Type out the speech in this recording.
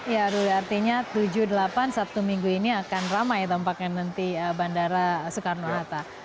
ya ruli artinya tujuh puluh delapan sabtu minggu ini akan ramai tampaknya nanti bandara soekarno hatta